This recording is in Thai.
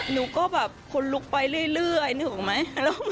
หนูก็แบบขนลุกไปเรื่อยหนูเห็นหรือไหม